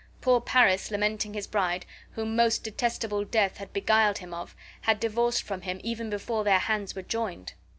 Poor Paris lamenting his bride, whom most detestable death had beguiled him of, had divorced from him even before their hands were joined.